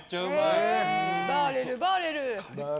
バーレルバーレル。